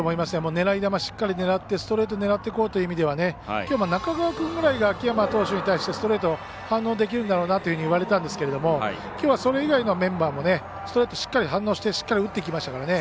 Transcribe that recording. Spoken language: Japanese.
狙い球しっかり狙ってストレート狙っていこうという意味では中川君ぐらいが、秋山君に対してストレート反応できるんだろうなといわれたんですけどもきょうはそれ以外のメンバーも反応してしっかり打っていきましたからね。